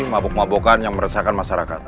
mabuk mabukan yang meresahkan masyarakat